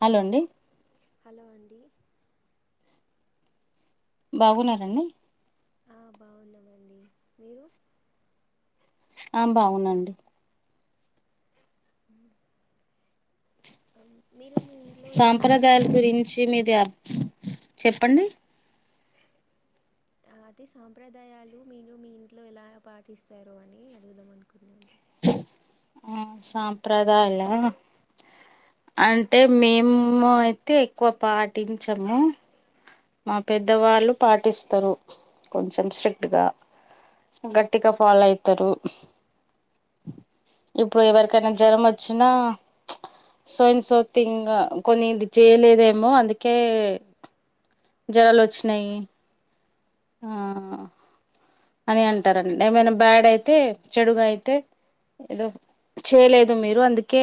Hello అండి. Hello అండి. బాగున్నారండి. ఆహ్ బాగున్నామండి మీరు. ఆహ్ బాగునండి. ఆహ్. సాంప్రదాయాల గురించి మీది ఆర్ చెప్పండి. అదే సాంప్రదాయాలు మీరు మీ ఇంట్లో ఎలా పాటిస్తారో అని అడుగుదాం అనుకున్నా అండి. ఆహ్ సాంప్రదాయలా. అంటే మేము అయితే ఎక్కువ పాటించము. మా పెద్దవాళ్ళు పాటిస్తారు కొంచెం స్ట్రిక్ట్ గా. గట్టిగా ఫాలో అయితారు. ఇప్పుడు ఎవరికైనా జ్వరం వచ్చినా ప్చ్. సో అండ్ సో థింగ్ కొన్ని ఇది చేయలేదేమో అందుకే. జ్వరాలు వచ్చినాయి. ఆహ్. అని అంటారండి ఏమైనా బ్యాడ్ అయితే చెడుగా అయితే. ఏదో చేయలేదు మీరు అందుకే.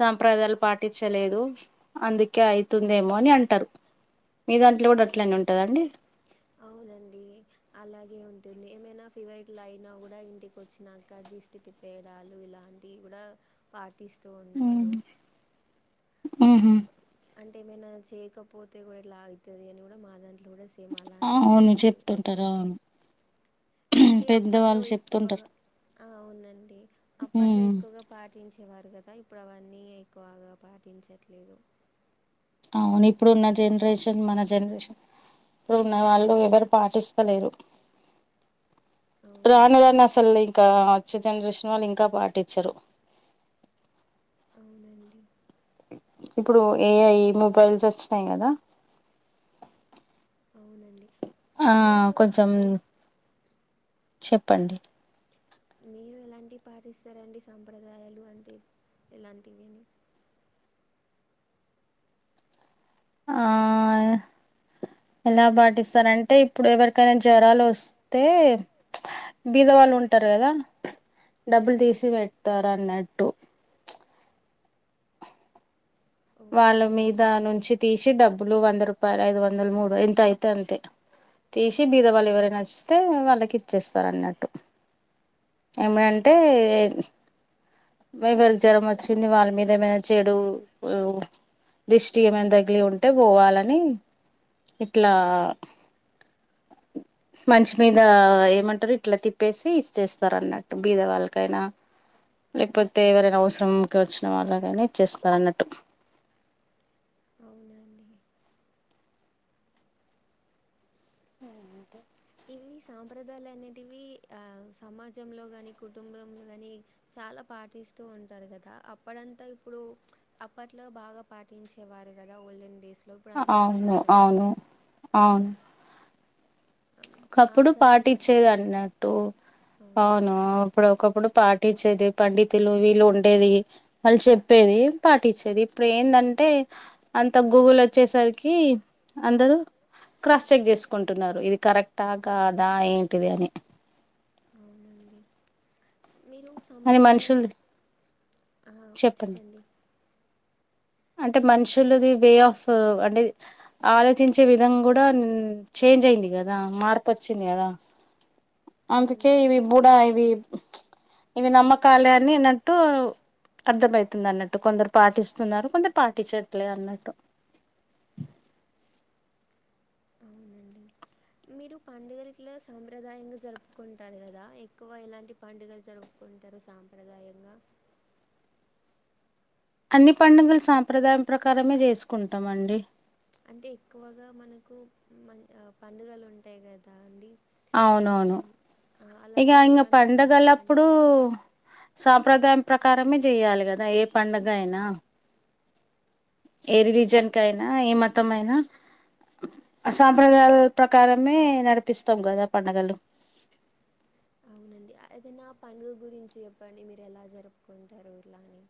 సాంప్రదాయాలు పాటించలేదు అందుకే అయితుందేమో అని అంటారు. మీ దాంట్లో కూడా అట్లనే ఉంటదండి. అవునండి అలాగే ఉంటుంది ఏమైనా ఫీవర్ ఇట్లా అయినా కూడా ఇంటికి వచ్చినాంక డి. స్థితి పేడాలు ఇలాంటివి కూడా పాటిస్త. ఉమ్ ఉహూ. అంటే ఏమనా చేయకపోతే కూడా ఇట్లా అవుతుది అని కూడా మా దా అవును చెప్తుంటారు అవును అంటే అప్పర్లో ఎక్కువగా ఆవునండి అప్పట్లో ఎక్కువగా పాటించేవారు కదా ఇప్పుడు అవన్నీ ఎక్కువగా పాటించట్లేదు అవును ఇప్పుడున్న జనరేషన్ మన జనరేషన్ ఇప్పుడున్న వాళ్ళు ఎవరు పాటిస్తలేరు రాని రాని అసలు ఇంకా వచ్చే జనరేషన్ వాళ్ళు ఇంకా పాటించరు అవునండి ఇప్పుడు ఏఐ మొబైల్స్ వచ్చినాయి కదా అవునండి ఆ కొంచెం చెప్పండి ఇలాంటి పాటిస్తారు అండి సంప్రదాయాలు అంటే ఎలాంటివి అని ఆ ఎలా పాటిస్తారు అంటే ఇప్పుడు ఎవరికైనా జ్వరాలు వస్తే బిధవాళ్లు ఉంట ంటారు కదా డబ్బులు తీసి పెడతారున్నట్టు వాళ్ళ మీద నుంచి తీసి డబ్బులు వంద రూపాయ ప్ప ఐదు వందలు మూడు ఎంత అయితే అంతే తీసి బీదవాళ్ళు ఎవరేనా వస్తే వాళ్ళకి ఇచ్చేస్తారు అన్నట్టు ఏమంటే ఒకవేల్ జ్వరం వచ్చింది వాళ్ళ మీద ఏమైనా చెడు దిష్టి ఏమైనా తగిలి ఉంటే పోవాలని ఇట్లా మన్సీ మీద ఏమంటారు ఇట్లా తిప్ప ప్పేసి ఇచ్చేస్తారు అన్నట్టు బీద వాళ్ళకైనా లేపోతే ఎవరైనా అవసరం వచ్చిన వాళ్ళ కైనా చేస్తారన్నట్టు ఇవి సాంప్రదాయాలు అనేటివి ఆ సమాజంలో గాని కుటుంబంలో ని చ చాలా పాటిస్తూ ఉంటారు కదా అప్పడంతా ఇప్పుడు అప్పట్లో బాగా పాటించేవారు అవును అవును అవును ఒకప్పుడు పాటిచ్చేది అన్నట్టు అవును ఇప్పుడు ఒక ఇప్పుడు పాటించేది పండితులు వీళ్ళు ఉండేది వాళ్ళు చెప్పేది పాటించేది ఇప్పుడు ఏందంటే అంత గూగులు వచ్చేసరికి అందరూ క్రాస్ చెక్ చేసుకుంటున్నారు ఇది కరెక్టా కాదా ఏంటిది అని మీరు సాంప్రదాయం ఆ చెప్పండి అంటే మనుషులుది వే ఆఫ్ అంటే ఆలోచించే విధం కూడా చేంజ్ అయింది కదా మార్పు వచ్చింది కదా అందుకే ఇవి బుడా ఇవి ఇవి నమ్మకాలే అన్నిన్నట్టు అర్థమవుతుంది అన్నట్టు కొందరు పాటిస్తున్నారు కొందరు పట్టించట్లే అన్నట్టు మీరు పండుగాలిట్ల సాంప్రదాయంగా జరుపుకుంటారు కదా ఎక్కువ ఇలాంటి పండుగలు జరుపుకుంటారు సాంప్రదాయంగా అన్ని పండుగలు సాంప్రదాయం ప్రకారమే చేసుకుంటామండి అంటే ఎక్కువగా మనకు మన్ పండుగలు ఉంటాయి కదా అండి అవునవును ఇగ ఇంగ పండగలప్పుడు సాంప్రదాయం ప్రకారమే చెయ్యాలి కదా ఏ పండగ అయినా ఏది రిలిజన్ కైనా ఏ మతం అయినా సాంప్రదాయాల ప్రకారమే నడిపిస్తాం కదా పండగలు ఏదైన పండుగ గురించి చెప్పండి మీరు ఎలా జరుపుకుంటారు ఊర్లా అని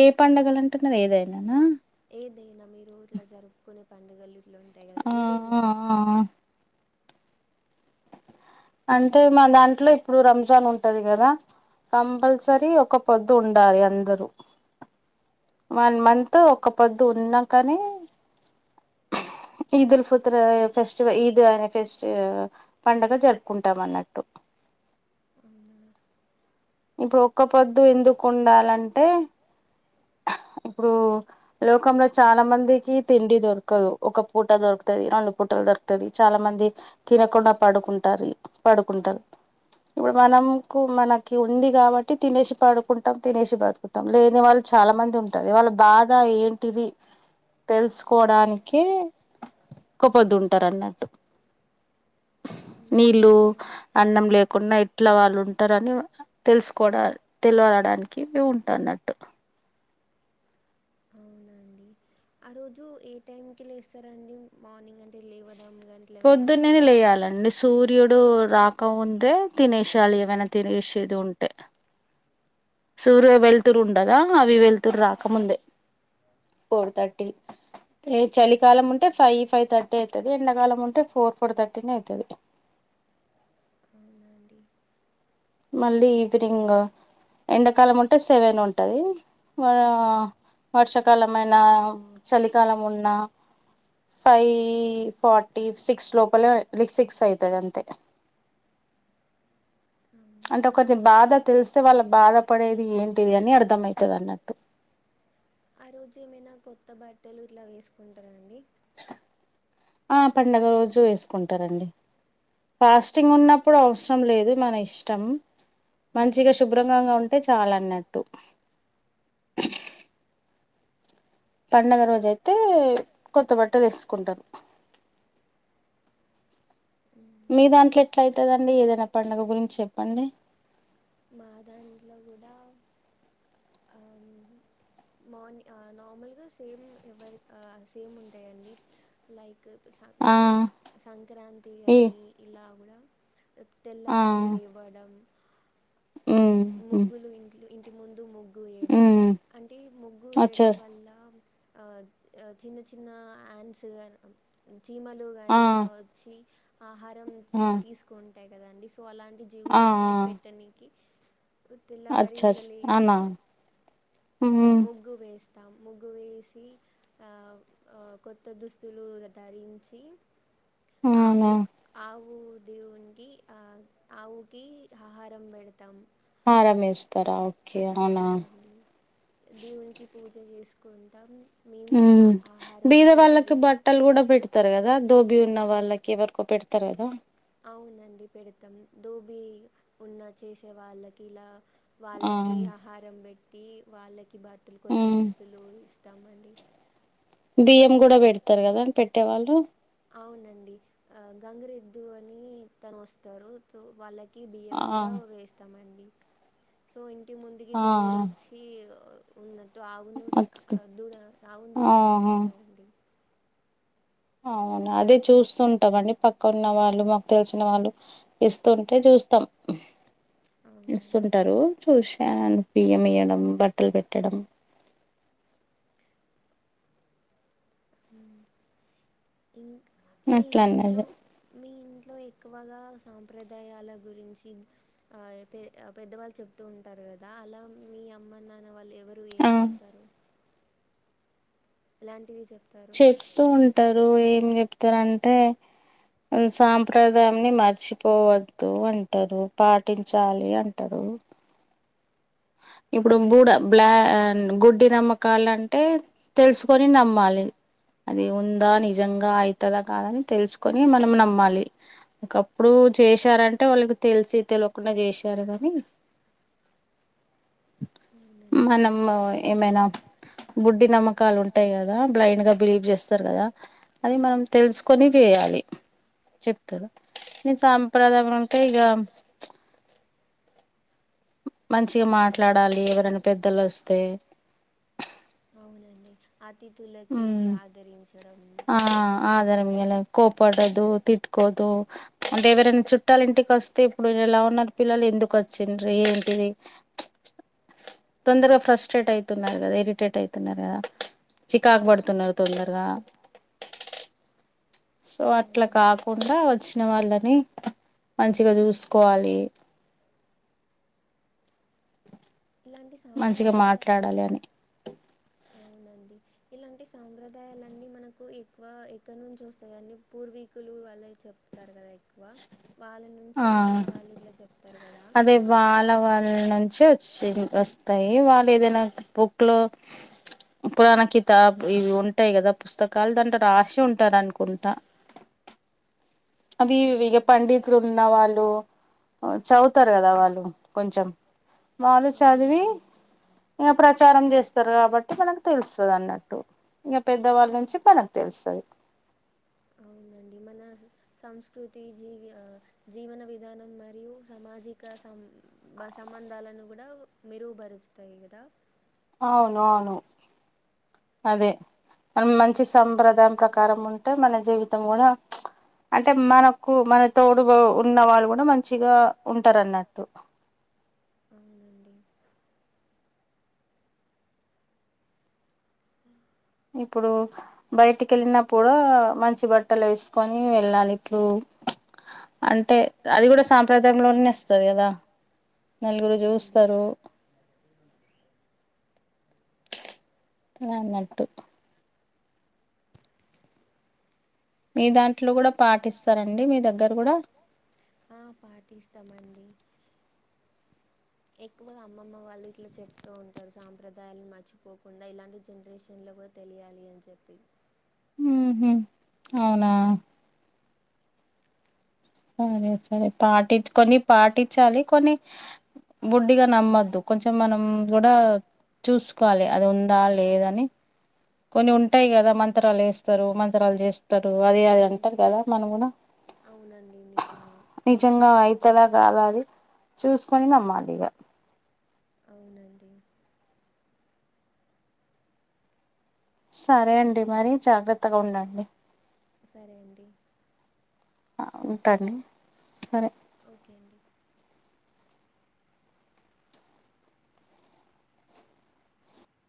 ఏ పన్డుగలు అంటున్నారు ఏదైనానా ఏదైనా మీరు ఇట్లా జరుపుకునే పండుగలు ఆ ఆ ఆ అంటే మా దాంట్లో ఇప్పుడు రంజాన్ ఉంటది కదా కంపల్సరీ ఒక పొద్దు ఉండాలి అందరూ వన్ మంత్ ఒక పొద్దు ఉన్నా కానీ ఈదుల్ ఫిత్రర్ ఫెస్టివల్ ఈద్ అనే ఫెస్టి పండుగ జరుపుకుంటాం అన్నట్టు ఇప్పుడు ఒక్క పొద్దు ఎందుకు ఉండాలంటే ఇప్పుడు లోకంలో చాలా మందికి తిండి దొరకదు ఒక పూట దొరక తది అండు పూట్టలు దొరుకుది చాలా మంది తినకుండా పడుకుంటారి పడుకుంటారు ఇప్పుడు మనంకు మనకి ఉంది కాబట్టి తినేసి పడుకుంటాం తినేసి బతుకుతాం లేని వాళ్ళు చాలా మంది ఉంటది వాళ్ళ బాధ ఏంటిది తెలుసుకోవడానికి ఒక్క పొద్దుంటారు అన్నట్టు నీళ్ళు అన్నం లేకుండా ఎట్లా వాళ్ళు ఉంటారని తెలుసుకోవడా తెల్వడానికి ఉంటన్నట్టు ఆ రోజు ఏ టైమ్ కి లేస్తారండి మార్నింగ్ అంటే లేవట్ పొద్దున్నేనే లేయాలండి సూర్ సూర్యుడు రాక ముందే తినేసేయాలి ఏమైనా తినేసేది ఉంటే సూర్యో వెలుతుూరు ఉండదా అవి వెలుతురు రాకముందే ఫోర్ తర్టీ ఏ చలికాలం ఉంటే ఫైవ్ ఫైవ్ థర్టీ అయితది ఎండాకాలం ఉంటే ఫోర్ ఫోర్ థర్టీనే అయితది మళ్ళీ ఈవినింగ్ ఎండకాలం ఉంటే సెవెన్ ఉంటది వా వర్షాకాలం ఐన చలికాలం ఉన్నా ఫైవ్ ఫార్టీ సిక్స్ లోపలే రిసిక్స్ అయితది అంతే అంటే కొది బాధ తెలిస్తే వాళ్ళ బాధ పడేది ఏంటిది అని అర్థమయితది అన్నట్టు ఆ రోజు ఏమైనా కొత్త బట్టలు ఇట్లా వేసుకుంటారండి ఆ పండుగ రోజు ఏసుకుంటారండి ఫాస్టింగ్ ఉన్నప్పుడు అవస ఇష్టం లేదు మన ఇష్టం మంచిగా శుభ్రంగాంగా ఉంటే చాలన్నట్టు పండగ రోజు అయితే కొత్త బట్టలు వేసుకుంటారు మీ దాంట్లో ఎట్లా అయితదండి ఏదైనా పండుగ గురించి చెప్పండి మా దాంట్లో కూడా మార్ని నార్మల్గా సేమ్ ఎవరి సేమ్ ఉంటాయండి లైక్ సం సంక్రాంతి కానీ ఇలా కూడా తెల్లవారే లేవ్వడం ముగ్గులు ఇంట్లు ఇంటి ముందు ముగ్గు ముగ్గు వేయడం అంటే ముగ్గు వేయడం వల్ల ఆ చిన్న చిన్న అంట్స్ చిమలు గాని ఇలా వచ్చి ఆహారం తీ తీసుకుంటాయి కదండి సో అలాంటి జీవులకి పెట్టని తెల్లావారిలా లేచి ఆ ముగ్గు వేస్ ముగ్గు వేసి ఆ కొత్త దుస్తులు ధరించి ఆవు ఆవు ఆ దేవునికి ఆవుకి ఆహారం పెడతాం అరమేస్తార అవునండి దేవునికి పూజ చేసుకుంటాం ఉ బీద వాళ్ళకి బట్టలు కూడా పెడతారు కదా దోబి ఉన్న వాళ్ళకి ఎవరకో పెడతారు కదా అవునండి పెడతాం దోబి ఉన్న చేసే వాళ్ళకి ఇలా వాళ్ళకి ఆహారం పెట్టి వాళ్ళకి బాట్టలు కొత్త దుస్తులు ఇస్తామని డి బియ్యం కూడా పెడతారు కదా పెట్టేవాళ్ళు అవునండి గంగిరెద్దు అని తను వస్తారు వాళ్ళకి కి బియ్యం కూడా వేస్తామండి సో ఇంటి ముందుకి దేవుడు వచ్చి ఉన్నట్టు ఆవును దూడ ఆవును తీసుకొని వస్తారండి అవును అదే చూస్తుంటామండి పక్క ఉన్న వాళ్ళు మాకు తెలిసిన వాళ్ళు ఇస్తుూంటే చూ చూస్తాం ఇస్తుంటారు చూసి న్ బియ్యమియడం బట్టలు పెట్టడం ఆ ఇంక్ మీ ఇంట్లో మీ ఇంట్లో ఎ ఎక్కువగా సాంప్రదాయాల గురించి ఆ పెద్దవాళ్ళు చెప్తూ ఉంటారు కదా అలా మీ అమ్మ నాన్న వాళ్ళు ఎవరు ఏం చెప్తారు లాంటివి చెప్ప చెప్తూ ఉంటారు ఏం చెప్తారు అంటే సాంప్రదాయంన్ని మర్చిపోవద్దు అంటారు పాటించాలి అంటారు హ ఇప్పుడు బూడ బ్లా గుడ్డి నమ్మకాలంటే తెలుసుకొని నమ్మాలి అది ఉందా నిజంగా అవుతందా కాదని తెలుసుకొని మనం నమ్మాలి ఒకప్పుడు చేశారంటే వాళ్ళకి తెల్సి తెలియకుండా చేసారు కాని మనం ఏమైనా బుడ్డి నమక కాలు ఉంటాయి కదా బ్లైండ్ గా బిలీవ్ చేస్తారు కదా అది మనం తెలుసుకొని చేయాలి చెప్తారు నేను సాంప్రదాయం అంటే ఇగా మంచిగా మాట్లాడాలి ఎవరైనా పెద్దలు వస్తే హ ఆ అదరిఇంగేలే కోపాడదు తిట్క కొదు అంటే ఎవరైనా చుట్టాల ఇంటికి వస్తే ఇప్పుడు ఎలా ఉన్నారు పిల్లలు ఎందుకు వచ్చిండ్రు ఏంటిది తొందరగా ఫ్రస్ట్రేట్ అయితున్నారు కదా ఇరిటేట్ అయితున్నారు కదా కాకబడుతున్నారు తొందరగా సో అట్లా కాకుండా వచ్చిన వాళ్ళని మంచిగా చూసుకోవాలి మంచిగా మాట్లాడాలి అని లాంటి సా సంప్రదాయాలన్నీ మనకు ఎక్కువ ఎక్కడ నుంచి వస్తాయి అన్ని పూర్వీకులు వాళ్ళ చెప్తారు కదా ఎక్కువ వాళ్ళ నుంచి మన వాళ్ళులా చెప్ అదే వాళ్ళ వాళ్ళ నుంచి వచ్చి వస్తాయి వా లేదైనా బుక్ లో పురాణ కితాబ్ ఇవి ఉంటాయి కదా పుస్తకాలు దాంట్లో రాసి ఉంటారు అనుకుంటా అవి వేద పండితులు ఉన్నవాళ్ళు చదువుతారు కదా వాళ్ళు కొంచెం వాళు చదివి ఇంక ప్రచారం చేస్తారు కాబట్టి మనకు తెలుస్తది అన్నట్టు ఇంక పెద్దవాళ్ళ నుంచి మనకు తెలుస్తది ఆహ సంస్కృతి జీవి ఆ జీవన విధానం మరియు సామాజిక సం సమా అందాలను కూడా మెరుగు భరుస్తాయి కదా అవునవును అదే మన మంచి సాంప్రదాయం ప్రకారం ఉంటే మన జీవితం కూడా అయితే మనకు మన తోడు ఉన్న వాళ్ళు కూడా మంచిగా ఉంటారు అన్నట్టు అవునండి ఇప్పుడు బయటకెళ్ళినా కుడా మంచి బట్టలు వేసుకొని వెళ్ళాలి ఇట్లు అంటే అది కూడా సాంప్రదాయంలోనే వస్తది కదా నల్గురు చూస్తారు అన్నట్టు మీ దాంట్లో కూడా పాటిస్తారండి మీ దగ్గర కూడా ఎక్కువగా అమ్మమ్మ వాళ్ళు ఇట్లా చెప్తూ ఉంటారు సాంప్రదాయాలు మర్చిపోకుండా ఇలాంటి జనరేషన్ లో కూడా తెలియాలి అని చెప్పి హు హు అవునా సరే సరే పాటిచ్ కొన్ని పాటించాలి కొన్ని గుడ్డిగా నమ్మద్దు కొంచెం మనం కూడా చూసుకోవాలి అది ఉందా లేదని కొన్ని ఉంటాయి కదా మంత్రాలు వేస్తారు మంత్రాలు చేస్తారు అది అది అంటారు కదా మనం కూడా అవునండి నిజమే ఇంతలా కాదా అది చూసుకొని నమ్మాలి ఇగ డి సరే అండి మరి జాగ్రత్తగా ఉండండి సరే అండి ఆ ఉంటాండి సరే ఓకే అండి